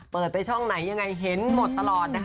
เปิดไปช่องนิยังไงเห็นหมดตลอด